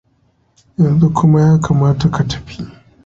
Yanzu kuma ya kamata ka tafi.